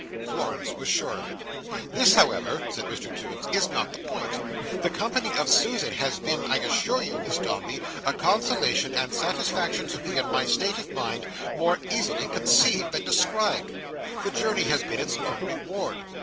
Florence was sure of it. "This, however," said Mr Toots, "is not the point. The company of Susan has been, I assure you, Miss Dombey, a consolation and satisfaction to me, in my state of mind, more easily conceived than described. The journey has been its own reward.